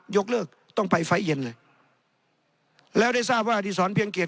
ยกเลิกต้องไปไฟล์เย็นเลยแล้วได้ทราบว่าอดีศรเพียงเกียร